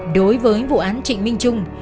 đối với vụ án trịnh minh trung